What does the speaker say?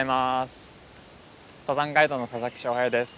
登山ガイドの佐々木翔平です。